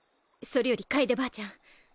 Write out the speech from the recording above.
それより楓ばあちゃん。